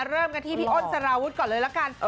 เริ่มกันที่พี่อ้นสารวุฒิก่อนเลยละกัน